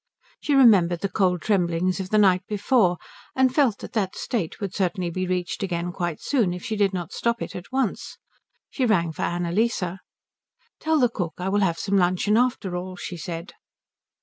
She remembered the cold tremblings of the night before, and felt that that state would certainly be reached again quite soon if she did not stop it at once. She rang for Annalise. "Tell the cook I will have some luncheon after all," she said.